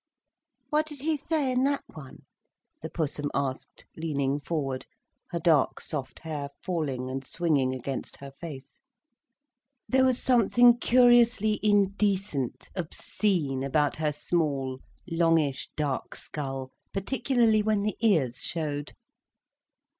"What did he say in that one?" the Pussum asked, leaning forward, her dark, soft hair falling and swinging against her face. There was something curiously indecent, obscene, about her small, longish, dark skull, particularly when the ears showed.